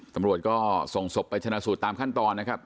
ตำรวจก็ส่งศพไปชนะสูตรตามขั้นตอนนะครับ